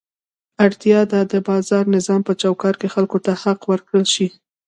اړتیا ده د بازار نظام په چوکاټ کې خلکو ته حق ورکړل شي.